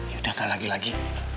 yaudah gak lagi lagi